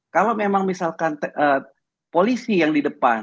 kalau memang misalkan polisi yang di depan